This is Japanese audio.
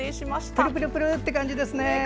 プルプルプルって感じですね。